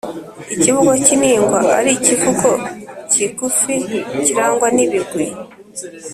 ikivugo k’iningwa ari ikivugo kigufi kirangwa n’ibigwi (amazina y’abantu